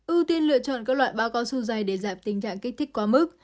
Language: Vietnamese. ưu tiên lựa chọn các loại bao con su dày để giảm tình trạng kích thích quá mức